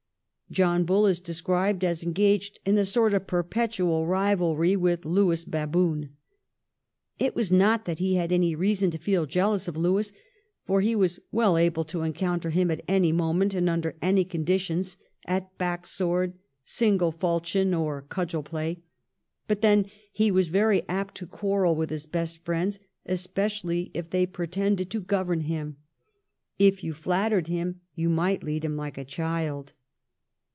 John Bull is described as engaged in a sort of perpetual rivalry with Lewis Baboon. It was not that he had any reason to feel jealous of Lewis, for he was well able to encounter him at any moment, and under any conditions, ' at back sword, single faulchion, or cudgel play ; but then he was very apt to quarrel with his best friends, especially if they pretended to govern him. If you flattered him you might lead him like a child.'